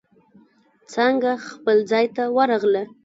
څانگه خپل ځای ته ورغله.